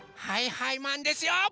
はいはいマンですよ！